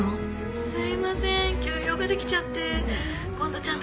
すいません急用ができちゃって今度ちゃんと説明しますね。